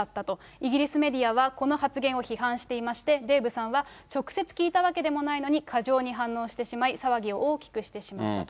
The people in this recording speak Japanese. イギリスメディアは、この発言を批判していまして、デーブさんは、直接聞いたわけでもないのに、過剰に反応してしまい、騒ぎを大きくしてしまったと。